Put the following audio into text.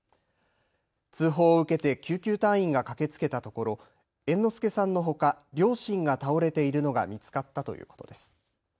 通報を受けて救急隊員が駆けつけたところ猿之助さんのほか両親が倒れているのが見つかったということです。